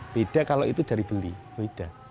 beda kalau itu dari beli beda